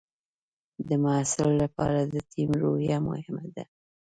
د محصل لپاره د ټیم روحیه مهمه ده.